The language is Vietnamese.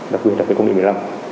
đặc biệt là công nghệ một mươi năm